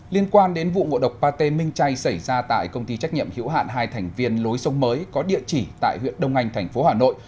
liên quan đến vụ ngộ độc pate minh chay xảy ra tại công ty trách nhiệm hiểu hạn hai thành viên lối sông mới có địa chỉ tại huyện đông anh tp hà nội